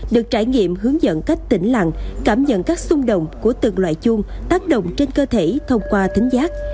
được trải nghiệm hướng dẫn cách tỉnh lặng cảm nhận các xung đột của từng loại chuông tác động trên cơ thể thông qua tính giác